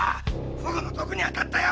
フグの毒にあたったよ！